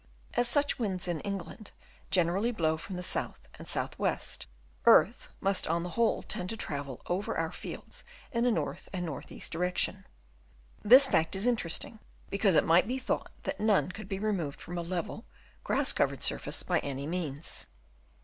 As such winds in England generally blow from the south and south west, earth must on the whole tend to travel over our fields in a north and north east direction. This fact is interesting, because it might be thought that none could be removed from a level, grass covered surface by any means.